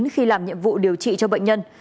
khi làm nhiệm vụ điều trị cho bệnh nhân